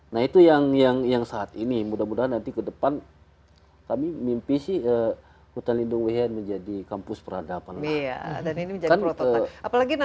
nah itu yang saat ini mudah mudahan nanti kita bisa mencari bantuan yang lebih baik ya ya